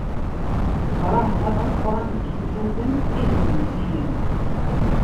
Brahma d ameqqran n yilluten ihendusiyen.